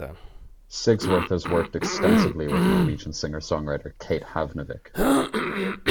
Sigsworth has worked extensively with Norwegian singer-songwriter Kate Havnevik.